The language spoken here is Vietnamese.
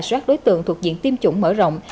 soát đối tượng thuộc diện tiêm chủng mở rộng